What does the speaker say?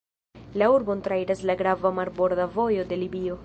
La urbon trairas la grava marborda vojo de Libio.